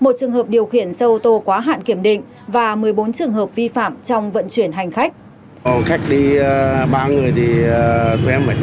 một trường hợp điều khiển xe ô tô quá hạn kiểm định và một mươi bốn trường hợp vi phạm trong vận chuyển hành khách